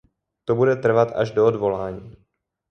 To bude trvat až do odvolání.